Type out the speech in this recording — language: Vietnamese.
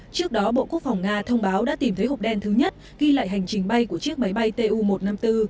trước đó bộ quốc phòng nga thông báo đã tìm thấy hộp đen thứ nhất ghi lại hành trình bay của chiếc máy bay tu một trăm năm mươi bốn